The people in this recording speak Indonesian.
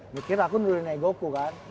mikir aku nurunin egoku kan